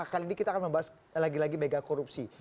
kali ini kita akan membahas lagi lagi mega korupsi